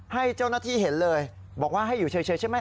ให้เจ้าหน้าที่เห็นเลยบอกว่าให้อยู่เฉยใช่ไหม